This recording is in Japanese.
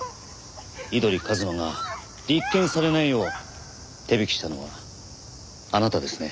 井鳥一馬が立件されないよう手引きしたのはあなたですね？